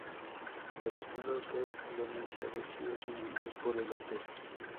La rotonda Hotel Indonesia recibe su nombre por el hotel.